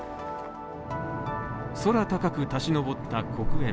空高く立ち上った黒煙。